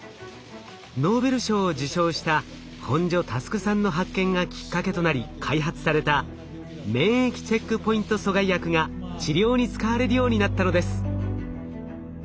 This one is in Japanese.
ノーベル賞を受賞した本庶佑さんの発見がきっかけとなり開発された免疫チェックポイント阻害薬が治療に使われるようになったのです。